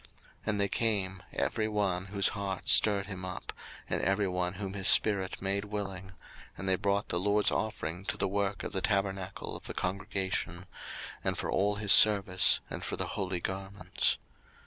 02:035:021 And they came, every one whose heart stirred him up, and every one whom his spirit made willing, and they brought the LORD's offering to the work of the tabernacle of the congregation, and for all his service, and for the holy garments.